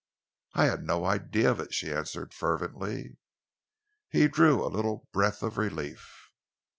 "I had no idea of it," she answered fervently. He drew a little breath of relief.